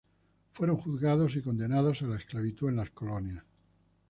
Fueron juzgados y condenados a la esclavitud en las colonias.